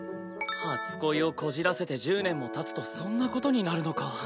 初恋をこじらせて１０年もたつとそんなことになるのか。